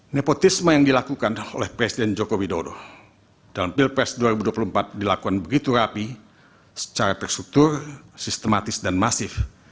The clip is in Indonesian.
nepotisme yang dilakukan oleh presiden joko widodo dalam pilpres dua ribu dua puluh empat dilakukan begitu rapi secara terstruktur sistematis dan masif